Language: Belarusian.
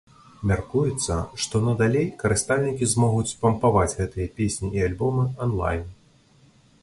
Мяркуецца, што надалей карыстальнікі змогуць пампаваць гэтыя песні і альбомы онлайн.